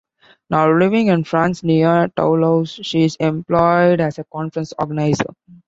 Now living in France near Toulouse, she is employed as a conference organiser.